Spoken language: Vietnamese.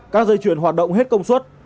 các dây chuyền hoạt động hết công suất